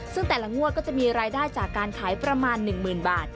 ซึ่งแต่ละงวดก็จะมีรายได้จากการขายประมาณ๑๐๐๐บาท